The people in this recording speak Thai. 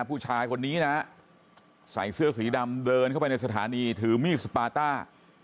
ผู้ชายคนนี้นะฮะใส่เสื้อสีดำเดินเข้าไปในสถานีถือมีดสปาต้า